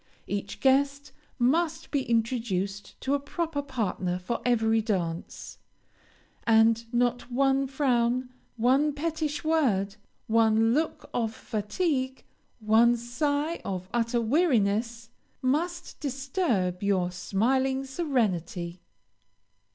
Each guest must be introduced to a proper partner for every dance, and not one frown, one pettish word, one look of fatigue, one sigh of utter weariness must disturb your smiling serenity.